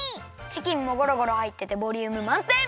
チキンもゴロゴロはいっててボリュームまんてん！